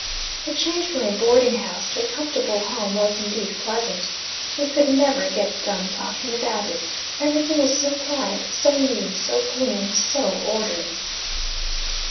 The change from a boarding house to a comfortable home was, indeed, pleasant. We could never get done talking about it. Every thing was so quiet, so new, so clean, and so orderly.